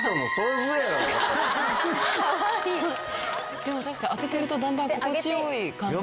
でも確かに当ててるとだんだん心地良い感じに。